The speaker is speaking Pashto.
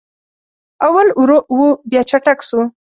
اول ورو و بیا چټک سو